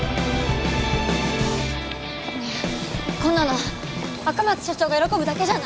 ねえこんなの赤松社長が喜ぶだけじゃない。